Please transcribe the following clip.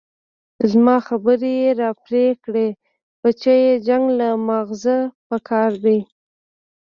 زما خبرې يې راپرې كړې بچيه جنګ له مازغه پكار دي.